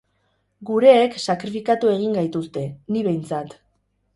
Gureek sakrifikatu egin gaituzte, ni behintzat.